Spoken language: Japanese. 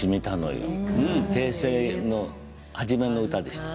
平成の初めの歌でした。